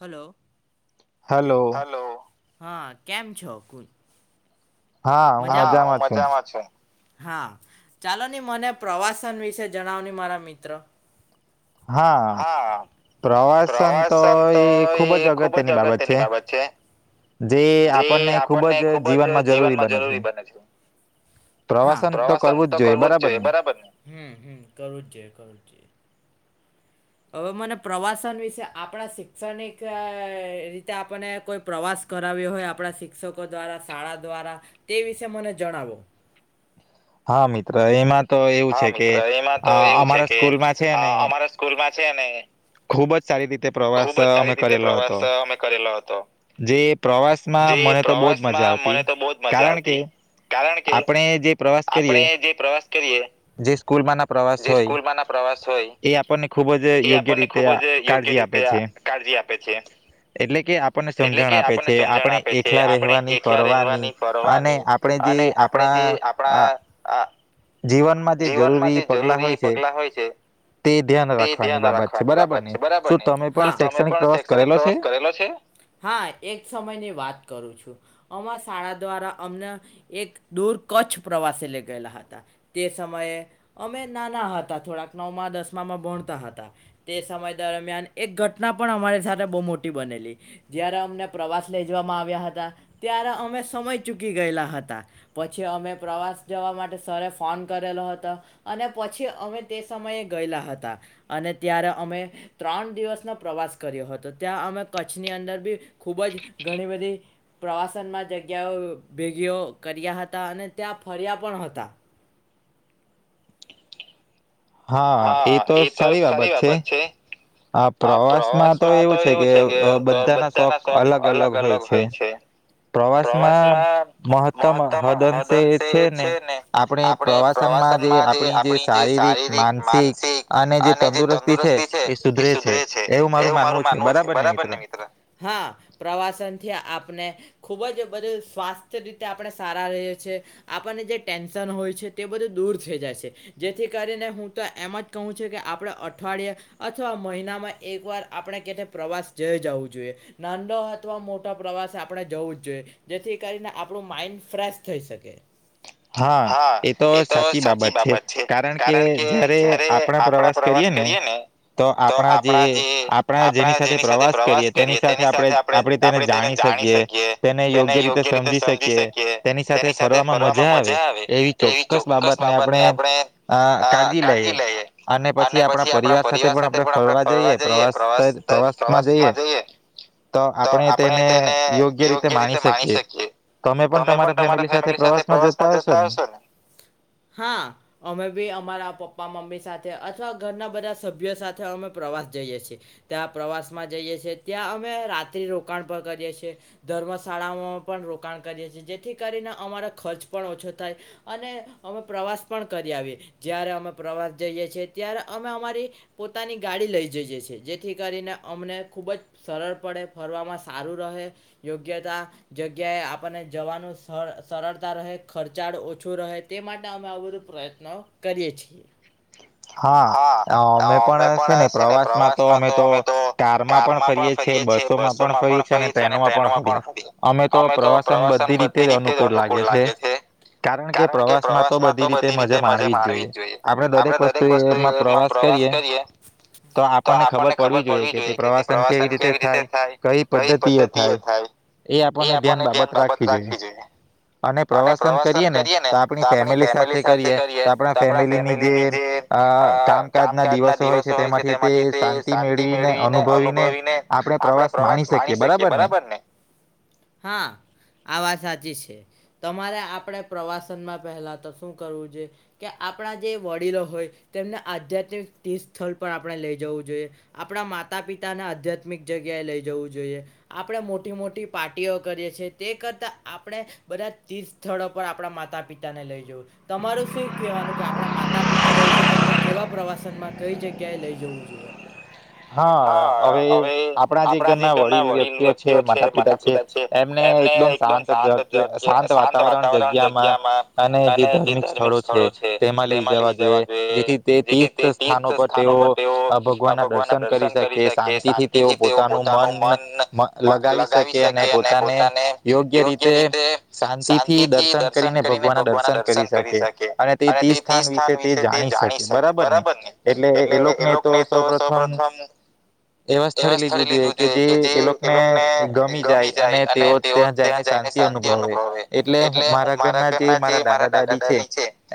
Hello hello હા કેમ છો કુલ? હા હું મજામાં છું હા ચાલોની મને પ્રવાસન વિશે જણાવની મારા મિત્ર હા પ્રવાસન તો એ ખુબ જ અગત્યની બાબત છે જે આપણને ખુબ જ જીવનમાં જરૂરી બને જરૂરી બને હા પ્રવાસન તો કરવું જ જોઈએ બરાબરને હ હ કરવુંજ જોઈએ હવે મને પ્રવાસન વિશે આપણા શિક્ષણિક રીતે આપણને કોઈ પ્રવાસ કરાવ્યો હોય આપણા શિક્ષકો દ્વારા શાળા દ્વારા તે વિશે મને જણાવો હા મિત્ર એમાં તો એવું છે કે આ અમારા સ્કૂલમાં છે ને છે ને ખૂબ જ સારી રીતે પ્રવાસ અમે કરેલો હતો જે પ્રવાસમાં મને તો બહુ જ મજા આવતી કારણ કે આપણે જે પ્રવાસ કરીએ જે સ્કૂલમાંના પ્રવાસ હોય એ આપણને ખુબ જ યોગ્ય રીતે કાળજી આપે કે જે એટલે કે સમજણ આપે છે આપણે એકલા રહેવાની ફરવાની અને આપણે જે આપણા આ જીવનમાં જે જરૂરી પગલા હોય છે તે ધ્યાન રાખવાની બાબત છે બરાબર ને શું તમે હા તો તમે પણ શૈક્ષણિક પ્રવાસ કરેલો છે હા એક સમયની વાત કરું છું અમાંરા શાળા દ્વારા અમને એક દૂર કચ્છ પ્રવાસે લઈ ગયેલા હતા તે સમયે અમે નાના હતા થોડાક નવમાં દસમામાં ભણતા હતા તે સમય દરમિયાન એક ઘટના પણ અમારી સાથે બહુ મોટી બનેલી, જ્યારે અમને પ્રવાસ લઈ જવામાં આવ્યા હતા ત્યારે અમે સમય ચૂકી ગયેલા હતા પછી અમે પ્રવાસ જવા માટે સર એ ફોન કરેલો હતો અને પછી અમે તે સમયે ગયેલા હતા અને ત્યારે અમે ત્રણ દિવસનો પ્રવાસ કર્યો હતો ત્યાં અમે કચ્છની અંદર બી ખૂબ જ ઘણી બધી પ્રવાસનમાં જગ્યાઓ ભેગીઓ કર્યા હતા અને ત્યાં ફર્યા પણ હતાં. હા, એ તો સારી બાબત છે. આ પ્રવાસમાં તો એવું છે કે અ બધાના શોખ અલગ-અલગ હોય છે. પ્રવાસમાં મહત્તમ હદઅંશે છે ને આપણે પ્રવાસનમાં જે આપણી જે શારીરિક માન માનસિક અને જે તંદુરસ્તી છે એ સુધરે છે એવું મારું માનવું છે બરાબર ને મિત્ર? હા, પ્રવાસનથી આપને ખૂબ જ બધું સ્વાસ્થ્ય રીતે આપણે સારા રહીએ છીએ આપણને જે ટેન્શન હોય છે તે બધું દૂર થઈ જાય છે જેથી કરીને હું તો એમ જ કહવું છે કે આપણે અઠવાડિયે અથવા મહિનામાં એકવાર આપણે કેથે પ્રવાસ જઈ જ આવવું જોઈએ નાંનો અથવા મોટો પ્રવાસ આપણે જવું જ જોઈએ જેથી કરીને આપણું માઈન્ડ ફ્રેશ થઈ શકે. હા, એ તો સાચી બાબત છે કારણ કે જયારે આપણા પ્રવાસ કરીએ ને તો આપણા જે આપણા જેની સાથે પ્રવાસ કરીએ તેની સાથે આપણે આપણે તેને જાણી શકીએ, તેને યોગ્ય રીતે સમજી શકીએ તેની સાથે ફરવામાં મ જા આવે એવી ચોક્કસ બાબતને આપણે અ કાળજી લઈએ અને પછી આપણા પરિવાર સાથે પણ આપણે ફરવા જઈએ પ્રવાસ પ્રવાસમાં જઈએ તો આપણે તેને યોગ્ય રીતે માણી શકીએ તમે પણ તમારા ફેમિલી સાથે પ્રવાસ મા જતા હશો ને? હા, અમે અમારા પપ્પા મમ્મી સાથે અથવા ઘરના બધા સભ્યો સાથે અમે પ્રવાસ જઈએ છીએ ત્યાં પ્રવાસમાં જઈએ છીએ ત્યાં અમે રાત્રિ રોકાણ પણ કરીએ છીએ ધર્મશાળાઓમાં પણ રોકાણ કરીએ છીએ જેથી કરીને અમારો ખર્ચ પણ ઓછો થાય અને અમે પ્રવાસ પણ કરી આવીએ. જ્યારે અમે પ્રવાસ જઈએ છીએ ત્યારે અમે અમારી પોતાની ગાડી લઈ જઈએ છીએ જેથી કરીને અમને ખૂબ જ સરળ પડે ફરવામાં સારું રહે યોગ્યતા જગ્યાએ આપણને જવાનું સ સરળતા રહે, ખર્ચાળ ઓછું રહે તે માટે અમે આવું બધું પ્રયત્ન કરીએ છીએ. હા અમે પણ છે ને પ્રવાસમાં તો અમે તો કારમાં પણ ફરીએ છીએ, બસોમાં પણ ફરીએ છીએ અને ટ્રેનો માં પણ ફરીએ અમે તો પ્રવાસન બધી રીતે જ અનુકૂળ લાગે છે કારણ કે પ્રવાસ માં તો બધી રીતે મજા માણવી જોઈએ આપણે દરેક વસ્ત તો એમાં પ્રવાસ કરીએ તો આપણને ખબર પડવી જોઈએ કે તે પ્રવાસન કેવી રીતે થાય કઈ પદ્ધતિએ થાય એ આપણને ધ્યાન બાબત રાખવી જોઈએ અને પ્રવાસન કરીએ ને તો આપણી ફેમિલી સાથે કરીએ તો આપણે ફેમિલીની જે અ કામકાજના દિવસો હોય છે તેમાંથી તે શાંતિ મેળવીને અનુભવીને આપડે પ્રવાસ માણી શકીએ બરાબર ને? હા, આ વાત સાચી છે. તમારે આપડે પ્રવાસનમાં પહેલા તો શું કરવું જોઈએ? કે આપણા જે વડીલો હોય તેમને આધ્યાત્મિક તીર્થ સ્થળ પર આપણે લઈ જવું જોઈએ આપણા માતા પિતાને આધ્યાત્મિક જગ્યાએ લઈ જવું જોઈએ આપણે મોટી મોટી પાર્ટીઓ કરીએ છીએ તે કરતાં આપણે બધા તીર્થ સ્થળો પર આપણા માતા પિતાને લઈ જવું તમારું શું? કેવાનું કે આપણા માતા પિતા હોય કેવા પ્રવાસનમાં કઈ જગ્યાએ લઈ જવું જોઈએ? હા હવે આપણા જે ઘરના વડીલ વ્યક્તિઓ છે માતા પિતા છે એમને એકદમ શાંત જગ્યા શાંત વાતાવરણ જગ્યામાં અને જે ધાર્મિક સ્થળો છે તેમાં લઈ જવા જોઈએ જેથી તે તીર્થ સ્થાનો પર તેઓ ભગવાનના દર્શન કરી શકે શાંતિથી તેઓ પોતાનું મન લગાવી શકે અને પોતાને યોગ્ય રીતે શાંતિથી દર્શન કરીને ભગવાનના દર્શન કરી શકે. અને તે તીર્થ સ્થાન વિશે તે જાણી શકે બરાબર ને! એટલે એ લોકોને તો સૌપ્રથમ એવા સ્થળે લેઈ જવું જોઈએ કે જે એ લોકોને ગમી જાય અને તેઓ ત્યાં જઈને શાંતિ અનુભવે એટલે હું મારા ઘરના જે મારા દાદા દાદી છે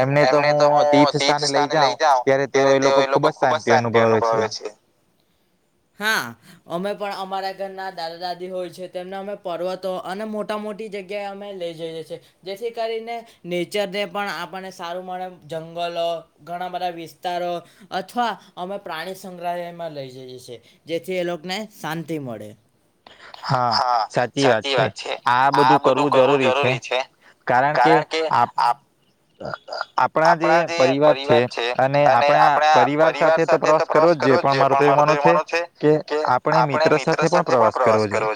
એમને તો હું તીર્થ સ્થાને લઈ જાઉં ત્યારે તેઓ એ લોકો ખુબ જ શાંતિ અનુભવે છે. હા અમે પણ અમારા ઘરના દાદા દાદી હોય છે તેમને અમે પર્વતો અને મોટા મોટી જગ્યાએ અમે લઈ જઈએ છીએ જેથી કરીને નેચરને પણ આ આપણને સારું મળે જંગલો ઘણા બધા વિસ્તારો અથવા અમે પ્રાણી સંગ્રહાલમાં લઈ જઈએ છીએ જેથી એ લોકોને શાંતિ મળે હા સાચી વાત છે આ બધું કરવું જરૂરી છે કારણ કે આપ આપણા જે પરિવાર છે અને આપણા પરિવાર સાથે તો પ્રવાસ કરવો જ જોઈએ પણ માર તો એવું માનો છે કે આપણે મિત્ર સાથે પણ પ્રવાસ કરવો જોઈએ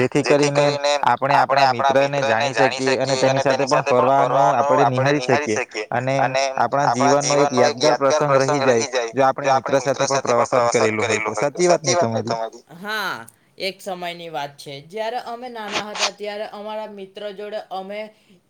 જેથી કરીને આપણે આપણા મિત્ર ને જાણી શકીએ અને તેની સાથે પણ ફરવાનું આપણે નિહાળીએ [inaudible] આપણા જીવન ન એક યાદગાર પ્રસંગ રહી જાય જો આપણે મિત્ર સાથે પણ પ્રવાસન કરેલું હોય તો સાચી વાત નહી તમારી હા એક સમયની વાત છે જ અમે નાના હતા ત્યારે અમારા મિત્ર જોડે અમે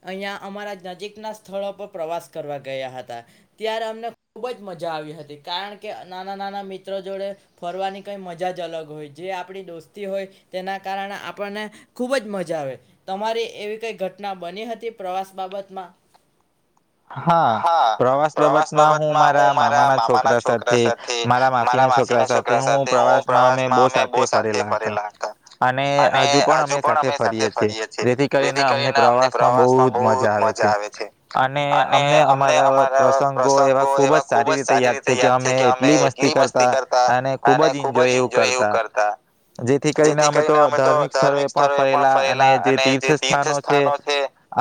અહીયાયા અમારા નજીકના સ્થળ પર પ્રવાસ કરવા ગયા હતા ત્યારે અમને ખૂબ જ મજા આવી હતી કારણ કે નાના નાના મિત્રો જોડે ફરવાની કઈ મજા જ અલગ હોય જે આપણી દોસ્તી હોય તેના કારણે આપણને ખૂબ જ મજા આવે તમારી એવી કઈ ઘટના બની હતી પ્રવાસ બાબતમાં હા પ્રવાસ બાબતમાં હું મારા મામા ના છોકરા સાથે મારા માસીના છોકરા સાથે હું પ્રવાસ માં અમે બહુ સાથે ફરેલા હતા અને હજુ પણ અમે સાથે ફરીએ છીએ જેથી કરીને અમને પ્રવાસમાં બહુ જ મજા આવે છે અમને અમારા પ્રસંગો એવા ખુબ જ સારી રીતે યાદ છે કે અમે એટલી મસ્તી કરતા અને ખુબ જ એન્જોય એવું કરતા જેથી કરીને અમે તો ધાર્મિક સ્થળો એ પણ ફરેલા અને જે તીર્થ સ્થાનો છે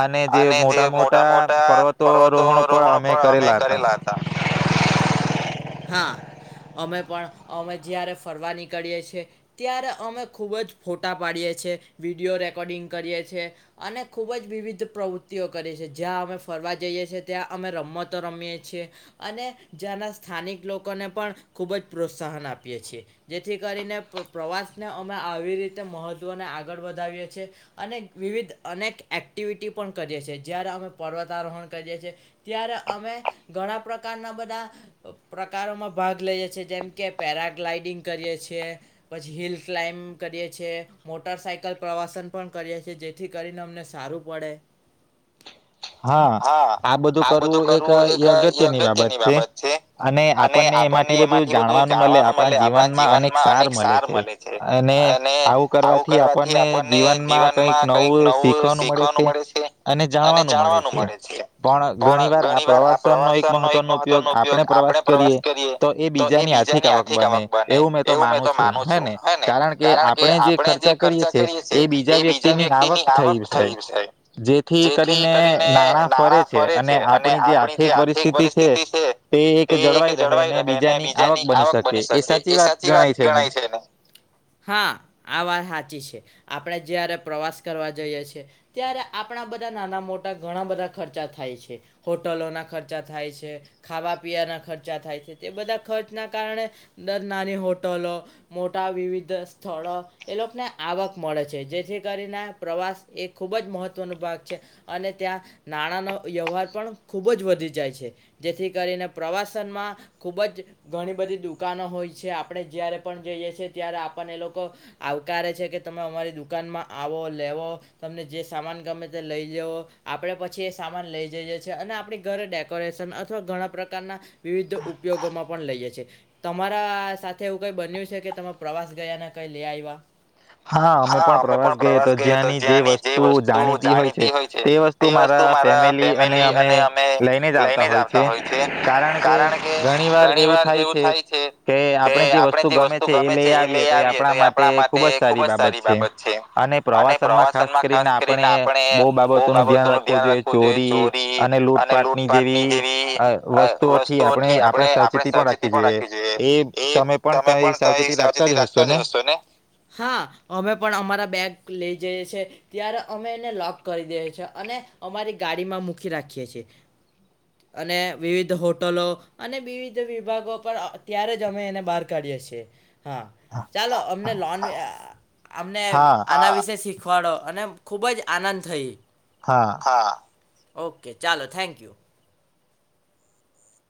અને જે મોટા મોટા પર્વત તો રોહણો પણ અમે કરેલા હતા [unintelligible] હા અમે પણ અમે જ્યારે ફરવા નીકળીએ છીએ ત્યારે અમે ખૂબ જ ફોટા પાડીએ છ છેીએ વિડીયો રેકોર્ડિંગ કરીએ છીએ અને ખૂબ જ વિવિધ પ્રવૃત્તિઓ કરીએ છીએ જ્યાં અમે ફરવા જઈએ છીએ ત્યાં અમે રમતો રમીએ છીએ અને જ્યાંના સ્થાનિક લોકોને પણ ખૂબ જ પ્રોત્સાહન આપીએ છીએ જેથી કરીને પ્રવાસને અમે આવી રીતે મહત્ત્વને કરીએ ત્યારે અમે ઘણા પ્રકારના બધા પ્રકારોમાં ભાગ લઈએ છીએ જેમ કે પેરાગ્લાઈડિંગ કરીએ છીએ, પછી હિલ ક્લાઇમ્બ કરીએ છીએ, મોટર સાયકલ પ્રવાસન, પણ કરીએ છીએ જેથી કરીને અમને સારું પડે હા, આ બધું કરવું એક અગત્યની બાબત છે અને આપણને એમાંથી બધું જાણવાનું મળે આપણા જીવનમાં અનેક સાર મલે છે, અને આવું કરવાથી આપણને જીવનમાં કઈક નવું શીખવાનું મળે છે અને જાણવાનું મળે જ પણ ઘણી વાર આ પ્રવાસનનો એક મહત્વનો ઉપયોગ આપણે પ્રવાસ કરીએ તો એ બીજાની આર્થિક આવક બને એવું મેં તો માનું છું, હે ને કારણ કે આપણે જે ખર્ચા કરીએ છીએ એ બીજા વ્યક્તિની આવક થઈ છે જેથી કરીને નાણાં ફરે છે, અને આપણી જે આર્થિક પરિસ્થિતિ છે, તે એક જળવાઈ રહે ને બીજાની આવક બની શકે એ સાચી વાત ગણાય છે ને હા આ વાત હાચી છે, આપણે જયારે પ્રવાસ કરવા જઈએ છીએ ત્યારે આપણા બધા નાના મોટા ઘણા બધા ખર્ચા થાય છે, હોટલોના ખર્ચા થાય છે, ખાવા પીવાના ખર્ચા થાય છે, તે બધા ખર્ચના કારણે દર નાની હોટલો મોટા વિવિધ સ્થળો એ લોકોને આવક મળે છે, જેથી કરીને પ્રવાસ એ ખૂબ જ મહત્વનો ભાગ છે, અને ત્યાં નાણાંનો વ્યવહાર પણ ખૂબ જ વધી જાય છે, જેથી કરીને પ્રવાસનમાં ખૂબ જ ઘણી બધી દુકાનો હોય છે, આપણે જ્યારે પણ જઈએ છીએ ત્યારે આપણને એ લોકો આવકારે છે, કે તમે અમારી દુકાનમાં આવો, લેવો, તમને જે સામાન ગમે તે લઈ લવો આપણે પછી પછી એ સામાન લઈ જઈએ છીએ અને આપણી ઘરે ડેકોરેશન અથવા ઘણા પ્રકારના વિવિધ ઉપયોગોમાં પણ લઈએ છેીએ, તમારા સાથે એવું કઈ બન્યું છે કે તમે પ્રવાસ ગયા કઈ લે આવ્યા હા, અમે પણ પ્રવાસ ગઈ, તો જ્યાંની જે વસ્તુ જાણીતી હોય છે, તે વસ્તુ મારા ફેમિલી અને અમે લઈને જ આવતા હોય છે, કારણ કે ઘણી વાર એવું થાય છે, કે આપણે જે વસ્તુ ગમે છે, એ લઈ આવીએ તો એ આપણા માટે ખૂબ જ સારી બાબત છે, અને પ્રવાસન માં ખાસ કરીને આપણે બહુ બાબતો નું ધ્યાન રાખવું ધ્યાન રાખવું જોઈએ ચોરી અને લૂટપાટની જેવી વસ્તુઓથી આપણે આપણે સાવચેતી પણ રાખવી જોઈએ એ તમે પણ સાવચેતી રાખતા જ હશો ને હા, અમે પણ અમારા બેગ લઇ જઈએ છ છે ત્યારે અમે એને લોક કરી દઈએ છ છેએ અને અમારી ગાડીમાં મૂકી રાખીએ છીએ, અને વિવિધ હોટલો અને વિવિધ વિભાગો પર અત્યારે જ અમે એને બહાર કાઢીએ છીએ હા, ચાલો અમને લોન અમને આના વિશે શી શીખવાડો અને ખૂબ જ આનંદ થઈ. હા. ઓકે ચાલો થેન્ક યુ.